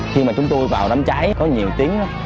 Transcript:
khi mà chúng tôi vào đâm cháy có nhiều tiếng đó